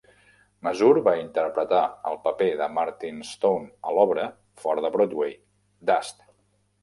Masur va interpretar el paper de Martin Stone a l'obra fora de Broadway "Dust".